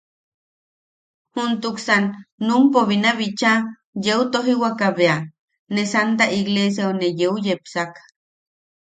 Juntuksan numpo binabicha yeu tojiwaka bea, ne santa igleesiau ne yeu yepsak.